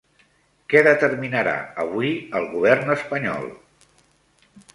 Què determinarà avui el govern espanyol?